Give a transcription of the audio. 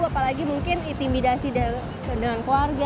apalagi mungkin intimidasi dengan keluarga